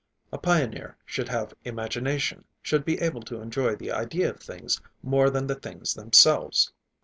A pioneer should have imagination, should be able to enjoy the idea of things more than the things themselves.